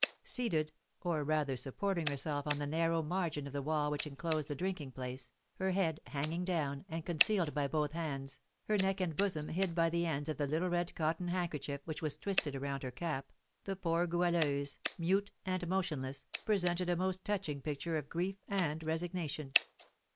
Seated, or rather supporting herself on the narrow margin of the wall which enclosed the drinking place, her head hanging down, and concealed by both hands, her neck and bosom hid by the ends of the little red cotton handkerchief which was twisted around her cap, the poor Goualeuse, mute and motionless, presented a most touching picture of grief and resignation.